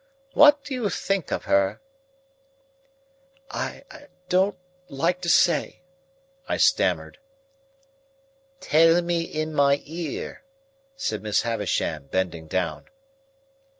What do you think of her?" "I don't like to say," I stammered. "Tell me in my ear," said Miss Havisham, bending down.